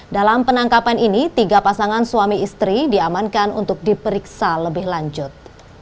dalam penangkapan ini tiga pasangan suami istri diamankan untuk diperiksa lebih lanjut